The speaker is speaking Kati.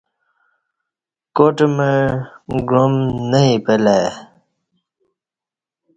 کاٹ مع گعام نہ اِپہ لہ ای